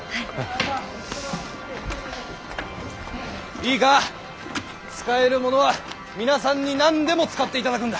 いいか使えるものは皆さんに何でも使っていただくんだ。